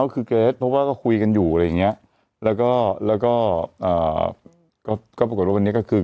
ก็คือเกรทเพราะว่าก็คุยกันอยู่อะไรอย่างเงี้ยแล้วก็แล้วก็อ่าก็ก็ปรากฏว่าวันนี้ก็คือ